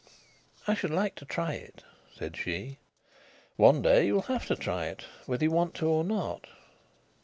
"I should like to try it," said she. "One day you'll have to try it, whether you want to or not."